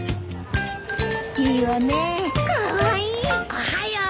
おはよう。